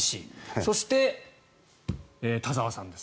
そして、田澤さんです。